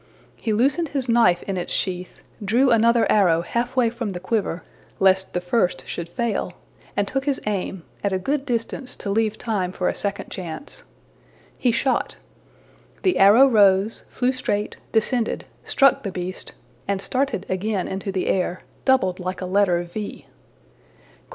He loosened his knife in its sheath, drew another arrow halfway from the quiver, lest the first should fail, and took his aim at a good distance, to leave time for a second chance. He shot. The arrow rose, flew straight, descended, struck the beast, and started again into the air, doubled like a letter V.